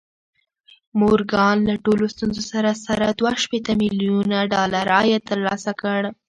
مورګان له ټولو ستونزو سره سره دوه شپېته ميليونه ډالر عايد ترلاسه کړ.